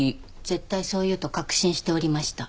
絶対そう言うと確信しておりました。